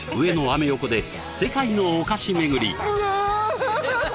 アメ横で世界のお菓子巡り